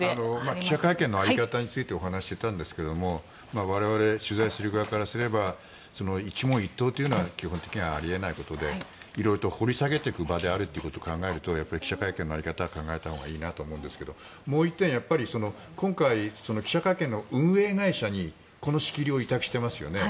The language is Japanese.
記者会見の在り方についてお話をしていたんですが我々、取材する側からすれば一問一答というのは基本的にあり得ないことで色々と掘り下げていく場であるということを考えると記者会見の在り方は考えたほうがいいなと思うんですがもう１点、今回記者会見の運営会社に、この仕切りを委託していますよね。